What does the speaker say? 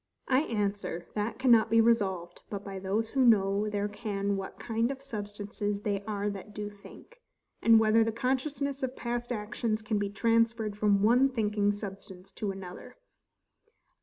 I answer, that cannot be resolved but by those who know there can what kind of substances they are that do think; and whether the consciousness of past actions can be transferred from one thinking substance to another.